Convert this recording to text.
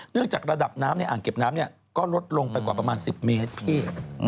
เนื่องจากระดับน้ำอ่างเก็บน้ำเนี่ยก็ลดลงไปกว่าประมาณ๑๐เมตรพี่